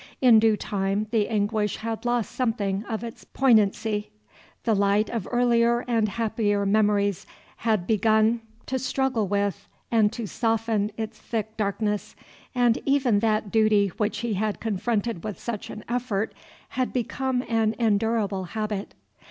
In due time the anguish had lost something of its poignancy, the light of earlier and happier memories had begun to struggle with and to soften its thick darkness, and even that duty which he had confronted with such an effort had become an endurable habit.